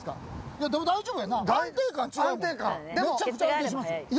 安定感めちゃくちゃ安定してますよ